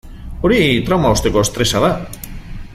Hori trauma osteko estresa da.